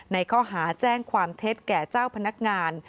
ในข้อหาแจ้งความเท็จแก่เจ้าพนักงาน